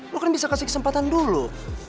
lo kan bisa kasih kesempatan dulu